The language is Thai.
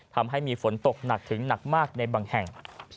ทำให้มีฝนตกหนักถึงหนักมากในบางแห่ง